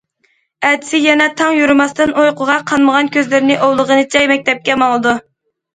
ئەتىسى يەنە تاڭ يورۇماستىن ئۇيقۇغا قانمىغان كۆزلىرىنى ئۇۋىلىغىنىچە مەكتەپكە ماڭىدۇ.